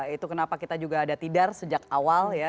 itu kenapa kita juga ada tidar sejak awal ya